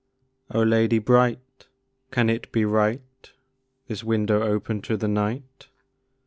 Oh, lady bright! can it be right This window open to the night!